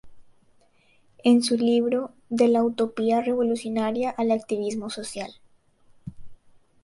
En su libro "De la utopía revolucionaria al activismo social.